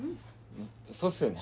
そうっすよね。